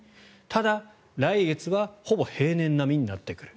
ただ、来月はほぼ平年並みになってくる。